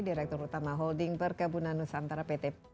direktur utama holding perkebunan nusantara pt